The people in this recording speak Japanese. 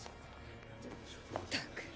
ったく。